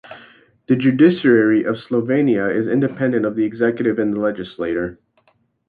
The judiciary of Slovenia is independent of the executive and the legislature.